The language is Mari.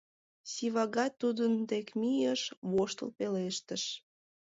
Сивагат тудын дек мийыш, воштыл пелештыш: